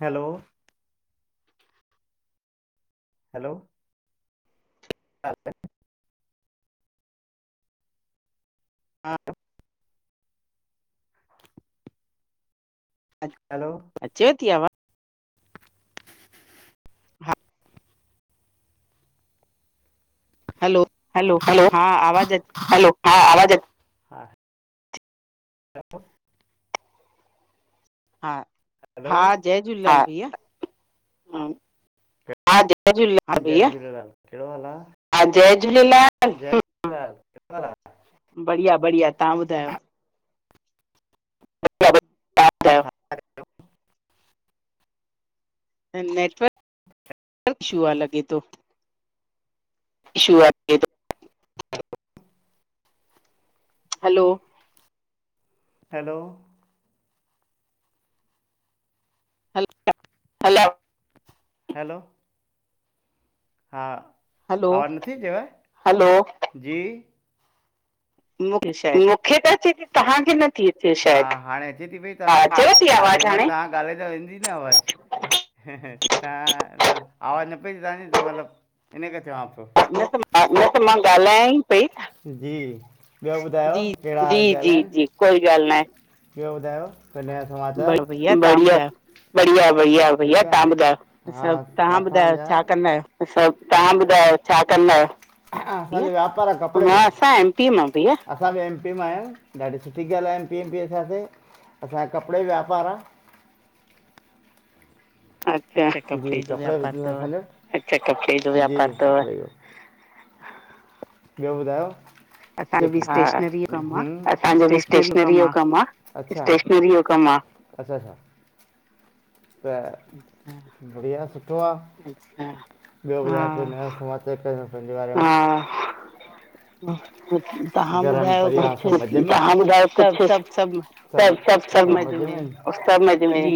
Hello hello अच्छा हा hello अचे थी आवा हा हलो हलो हा आवाज अच हलो हा आवाज़ अच [unintelligible] हा हलो हा हूं हा जय झूलेलाल भईया झूलेलाल कहिड़ो हाल आ हा जय झूलेलाल जय झूलेलाल बढ़िया, बढ़िया तहां ॿुधायो [unintelligible] नेटवर्क इशू आ लॻे थो इशू आ लॻे थो hello hello hello hello hello हा आवाज नथी अचेव? हलो जी मुखे शायद मुखे त अचे ती तव्हांखे नथी अचे शायद हाणे अचेती पई हा अचेव थी आवाज हाणे तव्हां ॻाल्हाईंदव ईंदी न आवाज़ ही‌ ही त आवाज़ न पई तांजी त मतलब इन करे चवां पयो हा न समझ हा न त मां ॻाल्हाईं पई, जी ॿियो ॿुधायो जी, जी, जी कोई ॻाल्ह न आहे, ॿियो ॿुधायो तवांहजा बढ़िया, बढ़िया, बढ़िया भैया तां ॿुधायो सभ तहां ॿुधायो छा कंदा आहियो? सभ तहां ॿुधायो छा कंदा आहियो? असां जो व्यापार आ कपड़े जो हा असां एम पी मां भैया, असां बि एम पी में आयूं ॾाढी सुठी ॻाल आ एम पी, एम पी असांखे असांजो कपड़े जो व्यापार आ अच्छा जी कपड़े जो तो हले अच्छा कपड़े जो व्यापार तव ॿियो ॿुधायो हा असांजो बि स्टेशनरी जो कम आ स्टेशनरी जो कम आ अच्छा अच्छा त अच्छा बढ़िया सुठो आ, ॿियो ॿुधायो कोई नयो समाचार? [unintelligible] हा घर में परिवार सभ मजे में? तां ॿुधायो कुछ? सभ सभ सभ सभ मजे में,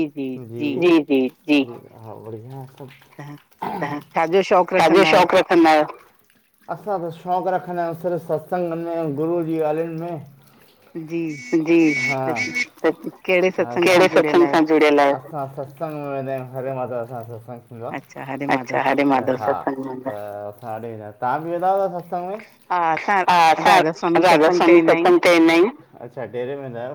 जी। जी जी, छाजो शौक़ रख कंदा आयो? असां त शौक़ रखंदा आयूं सिर्फ़ सत्संगन में अऊं गुरु जी ॻालियुन में। जी, केड़े सत्संग सां जुड़ यल आयो? असां सत्संग वेंदा आयूं हरे माधव, असां सत्संग अच्छा हरे माधव सत्संग में। तहां बि वेंदा आयो छा सत्संग में? हा असां राधा स्वामी सत्संग ते वेंदा आयूं अच्छा ड़ेरे में वेंदा आयो।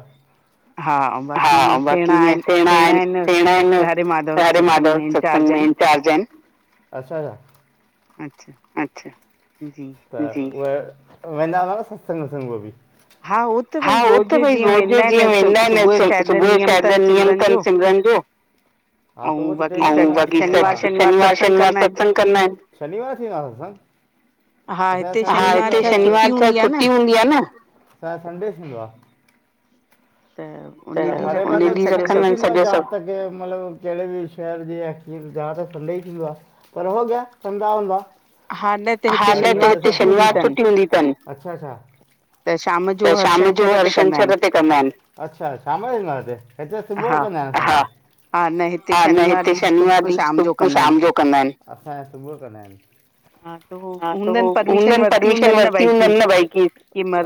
हा बाक़ी इअ सेण आइन, सेण आइन। हरे माधव सत्संग में इंचार्ज आहिन। अच्छा। अच्छा। जी। त इय वेंदा हूंदा न सत्संग वतसंग उओ बि? हा हो त भई रोज़ जो, जीअं वेंदा आइनि सुबुअ जो शायद नियम अथन सिमरन जो। खाली जवाब अऊं बाक़ी शनिवार शनिवार सत्संग कंदा आहिन। शनिवार थीेंदो आ सत्संग? हा हिते शनिवार छा छुट्टी हूंदी आ न। त त उन ॾींहुं रखंदा आहिनि सॼो सभ त के मतिलबु कहिड़े बि शहर जी अ की ज त थंद ई थींदो आहे। पर होगया कंंदा हूंदा। हा न त हिते शनिवार छुटी हूंदी तन। अच्छा त शाम जो हर छंछर ते कंदा आहिनि। अच्छा शाम जो थींदो आ उते, हिते सुबुह जो कंदा आहिन। हा न हिते शनिवार, ॾींहुं सुबुहो शाम जो कंदा आहिनि। हा त हूनन् परमिशन वर्ती हूंदन न भाई की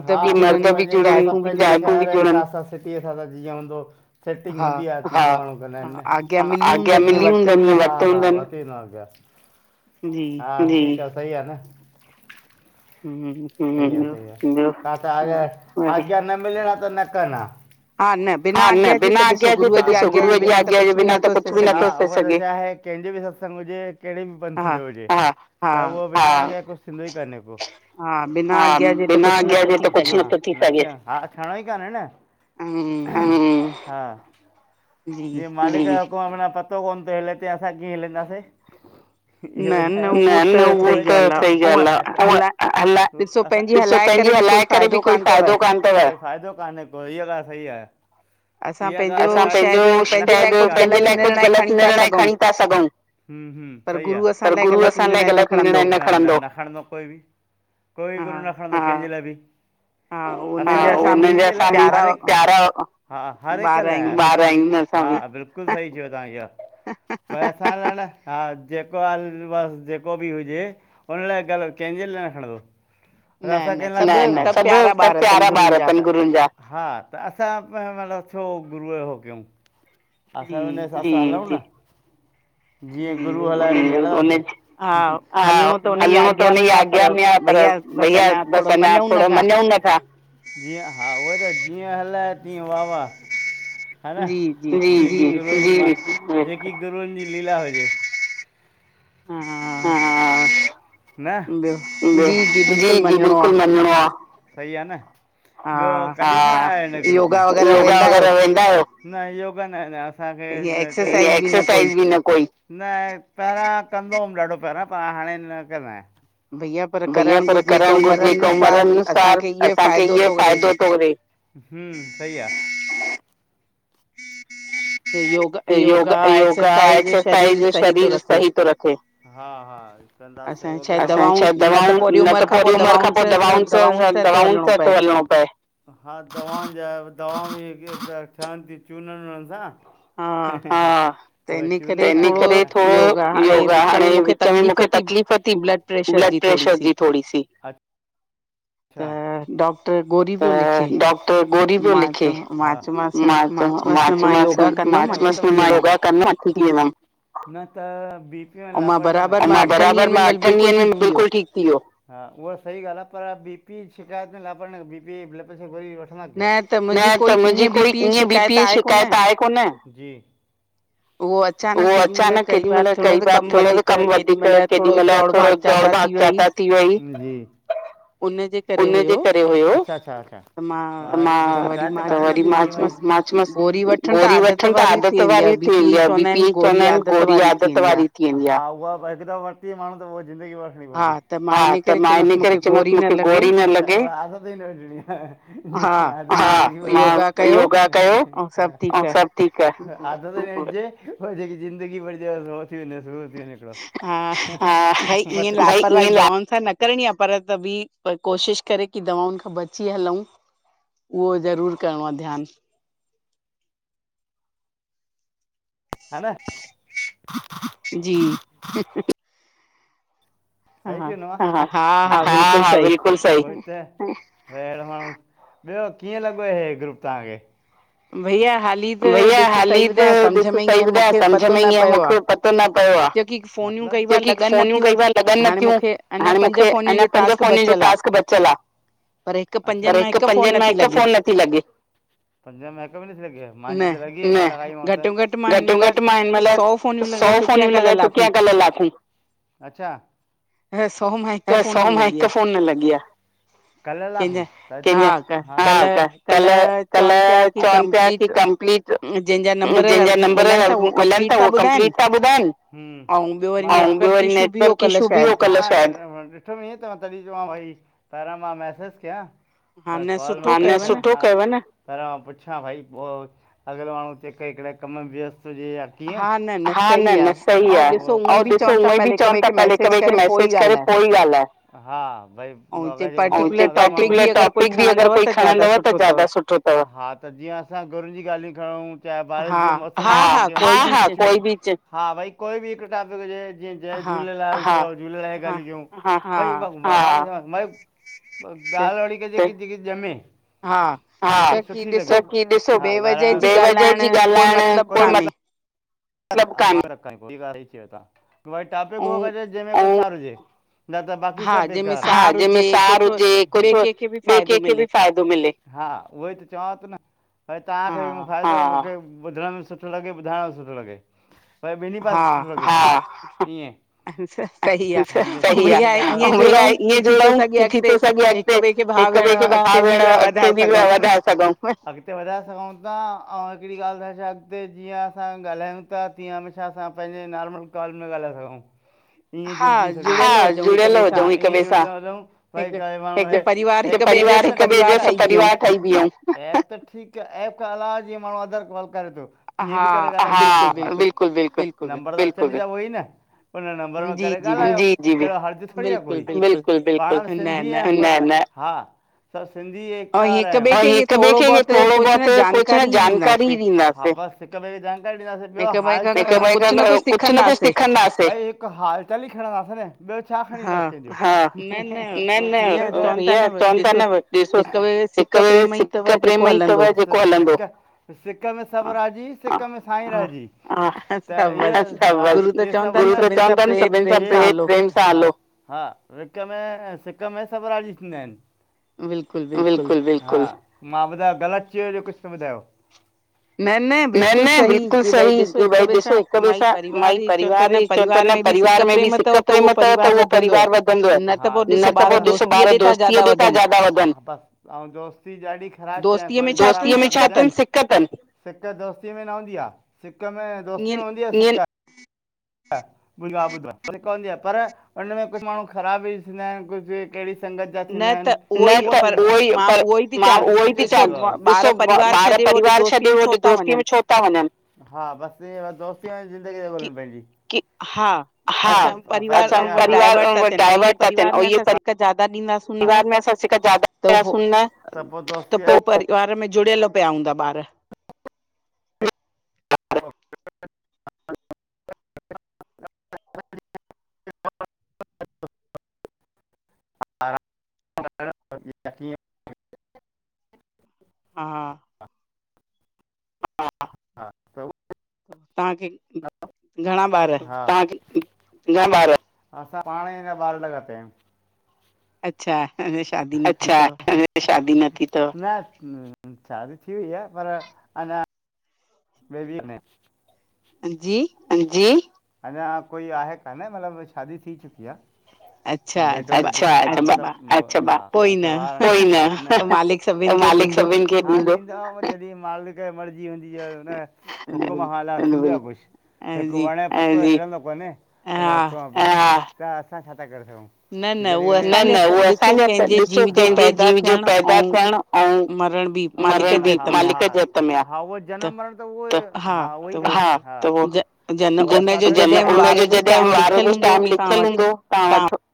हा त मर्द भी ॼुड़न, जायफुं भी ॼुड़न। ट्री साल थी व्या हूंदव सिटिंग हूंदी आहे। हा, आॻियां मिली हूंदन, वठल् हूंदन। हा त सईी आहे न, जी। हम हम हम्म ॿयो? स त आज्ञा न मिलण आ त न कन् आ। हा न, बिना आज्ञा जे त ॾिसो, गुरूअ जे आज्ञा जे बिना त कुछ भी नथो थे। छा आहे, कंहिंजो बि सत्संग हुजे कहिड़े बि पंथ जो हुजे त उहो बि कुछ थींदो ही कोन्हे को। हा बिना आज्ञा जे त कुछ नथो थीं सघे। हा, थियणो ई कान्हे न। ह हा जीअं मालिक जें हुकुम जें बिना पतो कोन तो हिले ते, असां कीअं हिलंदासे? न-न, उओ त सही ॻाल आ। हला, ॾिसो पंहिंजी हलाए करे ब़ि कोई फ़ाइदो काने तव, फ़ाइदो कान्हे को, इ ॻाल सही आहे। हीय ॻाल, असां पंहिंजो शायदि पंहिंजे लाइ कुछ ग़लत निर्णय खणी ता सघंऊ। हम हम, सही आ, पर गुरू असां लाइ गलत निर्णय न खणंदो, न खणंदो कोई भीं कोई गुरू न खणंदो, कैंजे लाइ ब़ि। हा हो, हुन सां भी, हा हा हर हिक लाए, ग्यारा बार इन न [unintelligible] हा हा, बिल्कुल सही चयो तां इय। ह ह पर असां लाए न हा, जेको हा बसि जेको भी हुजे। उन लाए ॻाल, कैंजे लाइ खणंदो? न न, सभु सभु प्यारा ॿारि तनि। गुरुअनिं जा, हा त असां मतिलबु छो गुरूअ जो हो कयऊं? असां ब़ि हुन हिसाब सां हलऊं न? जीअं गुरू हलाए। हा, हलणो त हुनजीं आज्ञा में आ, पर भईया बसि अञा थोरो मञऊं न था जीअं हा उह त, जीअं हलाए, तीअं वाह-वाह। जी जी जी - जी, जेकी गुरुअन ज़ी लीला हुजे। हा हा हा न? जी जी, बिल्कुल मञंणो आ। सही आ न? ॿियो कॾि खां आहियो इन ग्रुप मे? योगा वगर वे वेंदा आयो? न योगा न न, असांखे एक्सरसाइज़ बि न कोई? न पहिरां कंदो हुउमि ॾाढो पहिरां, पर हाणे न कंदा ऐन। भईया भईया, पर करणु घुरजे, हिकु उमर अनुसार, असांखे इहो फ़ाइदो तो रे, हम सही आ। त योग त योगा, योगा एक्सरसाइज़ शरीर सही तो रखे। हा हा कंदासे उहो ब़ि, असांजे छा दवाऊं न त पो वरी, उमिरि खां पोइ दवाउनि सां, दवाउनि सां तो हलणो पए। हा दवाउनि जा, दवाऊं जेके पयां ठहनि तीयूं चूननि वुननि सां। हा, त हिनु करे थोरो योगा हाणे चवई मूंखे तकलीफ़ थी, ब्लड प्रेशर ज़ी थोड़ी सी। त डॉक्टर, गोरी पियो लिखे। मां चयोमास, मां च्योमासं, मां च्योमासं कि मां योगा कदमुं त ठीक थीं वेंदम। न त बी अऊं मां, बराबरि मां अठनिं ॾींहुंनि में बिल्कुल ठीकु थीं वियो। हा, उहा सही ॻाल्हि आ। पर बी पी जीं शिकायत में लापरवाही न बीपी, ब्लड प्रेशर वरी वठंदा कयो। न त मुंहिंजी कोई ई बीपीअ ज़ी शिकायत आहे कोन। उहो अचानक केॾी महिल, कई बार थोड़ो भी कम वधीक, केॾी महिल थोड़ो दौड़- भाॻ ज्यादा थी वई। जी उन जे उनजे करे हुयोा मां व मच म [unintelligible] गोरी, वठन ता आदत वारी थी थींदी आ, बी पी चवंदा आहिन गोरी आदत वारी थी वेंदी आ। हा ऊवा हिक दफो वरती माणू ज़िन्दगी भर‌‍ वठड़ी पवंदी। हा, त मां इने करे चवमास मुखे गोरी न लॻे। आदत ही‌ [unintelligible] न विझणी योगा कयो अऊं सभ ठीकु आ। आदत ही न विझजे जेकी ज़िंदगी भरि थियूं सर थियूं [unintelligible] हा, भई इअं लापरवाही दवाउन सां न करणी आ पर त बि कोशिश करे की दवाउन खां बची हलऊं उहो ज़रूर करिणो आ ध्यान। ह न। जी आहे की‌ न, हा हा बिलकुल सही। वई त। ॿियो कीअं लॻो हे ग्रुप तां के? भईया हाल भइया, हाली त ॾिस सही ॿुधायं सम्झ में ईअं मुखे पतो न पओ आ। मतिलब, जेकी फोनियूं कयूं अन लॻनि नथियूं हाणे मुखे अञा पंज फोनिन जो टास्क बच् चल आ, अच्छा, पर हिकु पंजनि मां हिकु फोन न थी लॻे, पंजन मा हिक बि नथी लॻे या? मां चओ लॻी वई लॻाईमांव त, घटि मे घटि मां हिन महिल सौ फोनियूं लॻाए चुक क क ली अचछा [unintelligible] ह, सौ मां हिकु फोन न लॻी आ। कल लाॻूं हा क कल च [unintelligible] की कम्पलीट जंंहिंजा नम्बर मिलनि था उअ कम्पलीट था ॿुधाइनि हं, अऊं ॿियो वरी नेटवर्क इशू बि हो कल शायद तॾहिं चवां भ‌ई पहिरां मां मैसेज कयां? पैरां मां पुछां भई पोइ अॻलो माण्हू के‌हिकिड़े कम में व्यस्त हुजे या कीयं, हा न न सही आ अऊं ॾिस उअं बि चवनि था पहले हिकु ॿे खे मैसेज करे कोई ॻाल्हि आहे पर्टीकुलर टॉपिक बि अगरि कोई खणंदव त ज्यादा सुठो तव हा त जीअं गुरुनि जी ॻाल्हियूं करऊं चाहे बारिश जे मौसम जे, हा हा हा, भई कोई बि हिक टाॅपिक हुजे जी जय झूलेलाल भ झूलेलाल ाल्हिय कयूं भ [unintelligible] भई ग लड़िके जेकी जमे [unintelligible] हा, सुठी लॻी छो की ॾिसो बेवजह जी ॻाल्हाइण कोई मतिलब भ टॉपिक उ [unintelligible] न त बाकी सभु बेकार, हा जहिंमें सार हुजे कुछ ॿे कंहिंखे बि फ़ायदो मिले। हा उहई त चवां तो न भई, थेतांखे बि मू फ़ायदो मुखे ॿुधण मे सुठो लॻे ॿुधाइण सुठो लॻे। भई ॿिन्हीन पासे सुठो लगे अच्छा सही आहे भई ईअं जोड़ऊं कि थी सिघे [unintelligible] हिक ॿे खे भा भेण अॻिते बि वधाए सघऊं। अॻिते वधाए सघउं ता अऊं हिकिड़ी ॻाल्हि ॿुधाए छॾां अॻिते जीअं असां ॻाल्हायूं त तीयं हमेशा असां पंहिंजे नॉर्मल कॉल में ॻाल्हाए सघऊं। [unintelligible] परिवार हिक ॿे जो सब परिवार ठही भिहन एप त ठीक आह एप खां अलावा जीअं माण्डू अदर कॉल करे तो तीअं बी करे ॻाल्हाए बिल्कुल बिल्कुल नंबर त सभिन जा उहे ही न हुन नंबर में करे ॻाल्हायूं हर्जु थोडी आह कोई बिल्कुल पांण सिंधी आहियूं हा सब सिंधी हिक ऐं हिक ॿिए खे थोडो बहुत कुछ जानकारी ही ॾींदासे। हिक ॿे खे जानकारी ॾिदासे। ॿियो हाल चाल हिक ॿे‌ खां कुछ न कुछ सिखंदासे। हाल चाल ही लिखंदासे न। ॿियो छा खणीं वेंदासे। हा न न ईयो चवन था न ॾिसो हिक ॿे में सिक्क प्रेम ई तव जे सिक में सब राजी सिक में साईं राजी। हा गुरू त चवन ता न सभिन सां प्रेम सां हलो। विच्च में सिक में में सब राज़ी थींदा आहिन। बिल्कुल बिल्कुल। मां ॿुधायो ग़लत चयो हुजे कुछ त ॿुधायो? न न बिल्कुल सही सही की भई ॾिसो हिक ॿे सां भाई परिवार ई चओ ता न परिवार में बी सिक प्रेम अथव त उहो परिवार वधंदो। न त पोइ ॾिसो ॿार दोस्तीअ ॾे था ज्यादा वधन ऐं दोस्ती ॾाढी ख़राब शए आहे दोस्ती में छा तन सिक दोस्ती में न हूंदी आह। सिक में दोस्ती में हूंदी आह [unintelligible] पर हुन में कुछ माण्डू ख़राब बी थींदा आहिन कुछ केहड़ी संगत जा थींदा आहिन। न त उहो ही पर मां उहो ई ती चवां ॾिसो ॿार परिवार छॾे होॾे दोस्ती में छो [unintelligible] हा असां परिवार डाइवर्ट था थियन। ऐं इहे परिवार में असां सिक्क ज्यादा ॾींदासे परिवार में असां सिक्क ज्यादा ॾिंदासे न पांण में जुड़ियल पया हूंदा ॿार [inaudible] [inaudible] [inaudible] हा [inaudible] हा [unintelligible] तव्हांखे घंणा ॿार असां पाण ई अञा ॿार लॻा पया आहयूं अच्छा अञां शादी न थी तव। शादी न थी तव न शादी थी वई आहे पर अञां बेबी नाहे जी जी अञा कोई आहे कान मतलब शादी थी चुकी आह। [unintelligible] अच्छा अच्छा अच्छा कोई न त मालिक सभिन खे ॾींदो। वेठा हूं जॾहिं मालिक जी मर्जी हूंदी हा न हुकुम हालात में बंदा खुश जेको वणे [unintelligible] असां छा था करे सघुं। न न उहो असांजा ॾिसो कंहिंजे जीजो पैदा थियण अंऊ मरण बी मालिक जे हथ में आ। छो जनम त पोइ उनजो जॾहिं वार जो स्टाम लिखयल हूंदो तां वठो